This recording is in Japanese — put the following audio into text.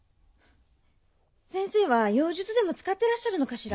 先生は妖術でも使ってらっしゃるのかしら？